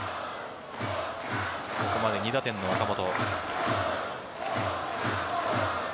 ここまで２打点の岡本。